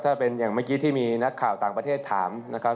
ถ้าเป็นอย่างเมื่อกี้ที่มีนักข่าวต่างประเทศถามนะครับ